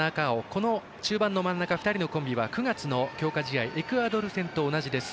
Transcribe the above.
この中盤の真ん中２人のコンビは９月の強化試合のエクアドル戦と同じです。